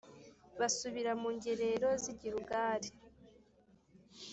basubira mu ngerero z i Gilugali